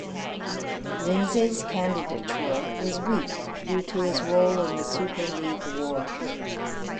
Lindsay's candidature was weak due to his role in the Super League war.